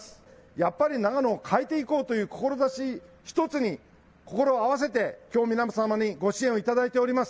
やっぱり長野を変えていこうという志一つに心を合わせて、きょう皆様にご支援をいただいております。